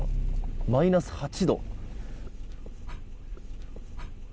マイナス８度。